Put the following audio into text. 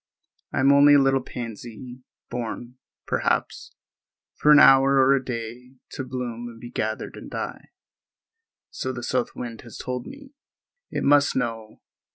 I am only a little pansy, born, perhaps, for an hour or a day, to bloom and be gathered and die—so the south wind has told me. It must know.